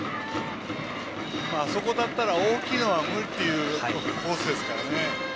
あそこだったら大きいのは無理というコースですから。